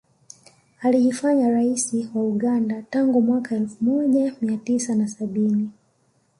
Alijifanya rais wa Uganda tangu mwaka elfu moja mia tisa na sabini